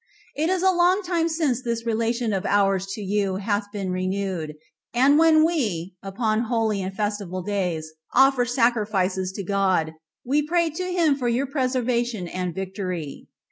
It is a long time since this relation of ours to you hath been renewed; and when we, upon holy and festival days, offer sacrifices to God, we pray to him for your preservation and victory.